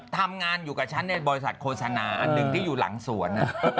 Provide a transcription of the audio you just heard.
ทำงานอยู่กับฉันในบริษัทโฆษณาอันหนึ่งที่อยู่หลังสวน